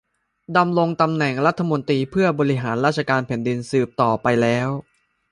ดำรงตำแหน่งรัฐมนตรีเพื่อบริหารราชการแผ่นดินสืบต่อไปแล้ว